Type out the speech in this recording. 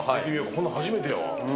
こんなの初めてよ。